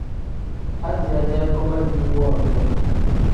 Aziya-dee koba diiwu woodoo.